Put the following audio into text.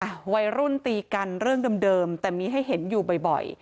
วัยรุ่นตีกันเรื่องเดิมแต่มีให้เห็นอยู่บ่อยบ่อย